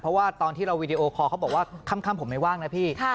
เพราะว่าตอนที่เราวีดีโอคอลเขาบอกว่าค่ำผมไม่ว่างนะพี่